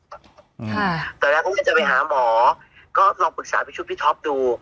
ค่ะตอนแรกก็ว่าจะไปหาหมอก็ลองปรึกษาพี่ชู้พี่ท็อปดู